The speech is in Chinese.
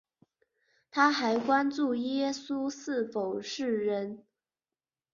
它还关注耶稣是否是一个拿细耳人问题。